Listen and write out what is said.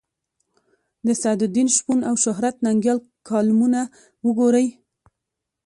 د سعدالدین شپون او شهرت ننګیال کالمونه وګورئ.